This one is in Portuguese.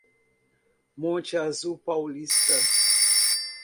Monte Azul Paulista